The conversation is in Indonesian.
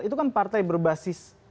itu kan partai berbasis